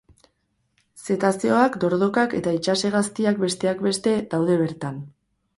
Zetazeoak, dordokak eta itsas-hegaztiak, besteak beste, daude bertan.